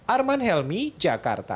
arman helmy jakarta